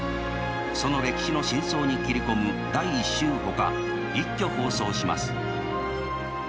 その歴史の真相に切り込む「第１集」ほか一挙放送します。